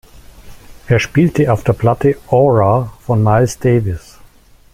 Er spielte auf der Platte "Aura" von Miles Davis.